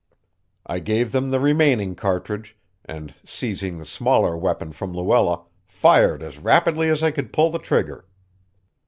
I gave them the remaining cartridge, and, seizing the smaller weapon from Luella, fired as rapidly as I could pull the trigger.